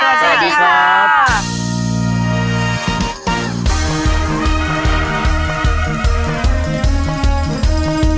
สวัสดีครับ